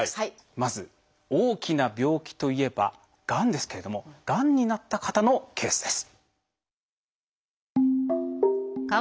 まず大きな病気といえば「がん」ですけれどもがんになった方のケースです。